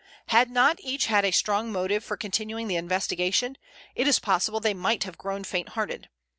Had not each had a strong motive for continuing the investigation, it is possible they might have grown fainthearted.